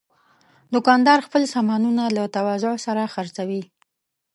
دوکاندار خپل سامانونه له تواضع سره خرڅوي.